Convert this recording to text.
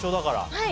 はい。